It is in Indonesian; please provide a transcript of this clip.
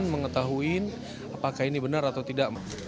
mengetahui apakah ini benar atau tidak